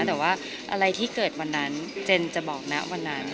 แต่ว่าอะไรที่เกิดวันนั้นเจนจะบอกนะวันนั้น